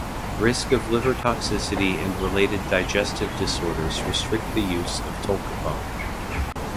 Risk of liver toxicity and related digestive disorders restricts the use of tolcapone.